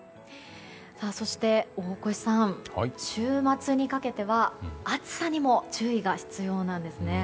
そして、大越さん週末にかけては、暑さにも注意が必要なんですね。